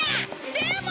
でも！